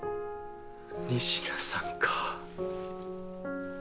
「仁科さん」かぁ。